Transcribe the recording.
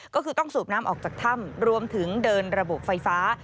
ก็คือต้องสูบน้ำออกจากถ้ำรวมถึงเดินระบบไฟฟ้า